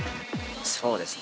そうですね